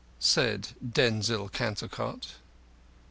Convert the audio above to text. said Denzil Cantercot.